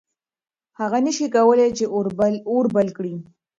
هغه نه شي کولی چې اور بل کړي.